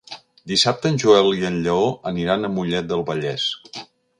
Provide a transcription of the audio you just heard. Dissabte en Joel i en Lleó aniran a Mollet del Vallès.